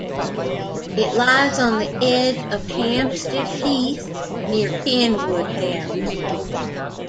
It lies on the edge of Hampstead Heath near Kenwood House.